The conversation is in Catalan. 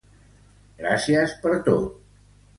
Gràcies per tot.